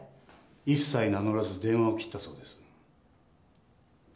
一切名乗らず電話を切ったそうです。